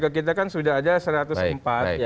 ke kita kan sudah ada satu ratus empat ya